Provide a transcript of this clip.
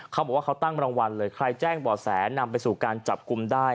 เขาบอกว่าเขาตั้งรางวัลเลยใครแจ้งบ่อแสนำไปสู่การจับกลุ่มได้